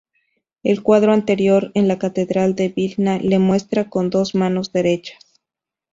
El cuadro anterior, en la catedral de Vilna, le muestra con dos manos derechas.